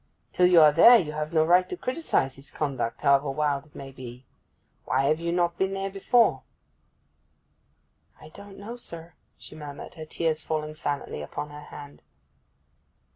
Till you are there you have no right to criticize his conduct, however wild it may be. Why have you not been there before?' 'I don't know, sir,' she murmured, her tears falling silently upon her hand.